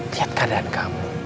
lihat keadaan kamu